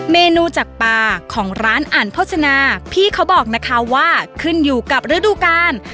เมนูจากปลาของร้านอันโภชนาพี่เขาบอกนะคะว่าขึ้นอยู่กับฤดูกาล